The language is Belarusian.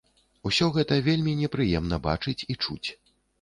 Усё гэта вельмі непрыемна бачыць і чуць.